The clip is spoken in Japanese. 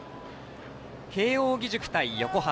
慶応義塾対横浜。